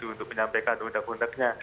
untuk menyampaikan undang undang